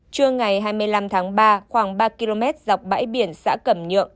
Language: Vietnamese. trưa ngày hai mươi năm tháng ba khoảng ba km dọc bãi biển xã cẩm nhượng